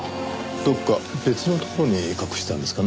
どこか別の所に隠したんですかね？